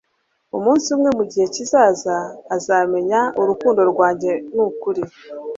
umunsi umwe mugihe kizaza azamenya urukundo rwanjye nukuri